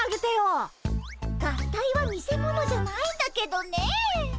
合体は見せ物じゃないんだけどねえ。